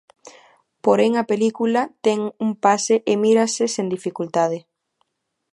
Porén a película ten un pase e mírase sen dificultade.